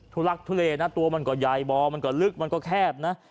ทุลักทุเลนะตัวมันก็ใหญ่บ่อมันก็ลึกมันก็แคบนะ